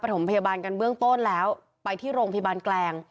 ถมพยาบาลกันเบื้องต้นแล้วไปที่โรงพยาบาลแกลง